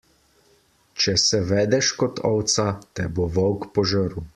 Če se vedeš kot ovca, te bo volk požrl.